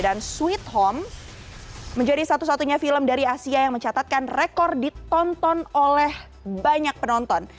dan sweet home menjadi satu satunya film dari asia yang mencatatkan rekor ditonton oleh banyak penonton